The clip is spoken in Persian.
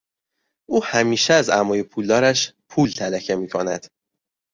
او همیشه از عموی پولدارش پول تلکه می کند.